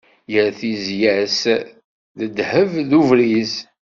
Gar tizya-s d ddehb d ubriz.